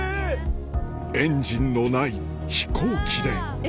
エンジンのない飛行機で。